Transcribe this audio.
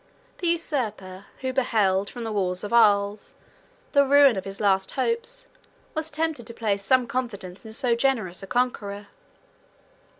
The usurper, who beheld, from the walls of Arles, the ruin of his last hopes, was tempted to place some confidence in so generous a conqueror.